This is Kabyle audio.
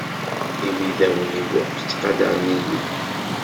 Imidawen-iw akk ttqadaren-iyi.